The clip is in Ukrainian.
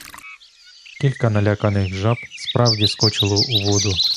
Кілька наляканих жаб справді скочило у воду.